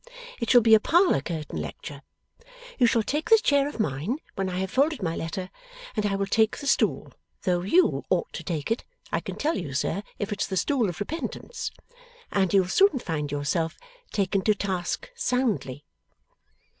It shall be a parlour curtain lecture. You shall take this chair of mine when I have folded my letter, and I will take the stool (though you ought to take it, I can tell you, sir, if it's the stool of repentance), and you'll soon find yourself taken to task soundly.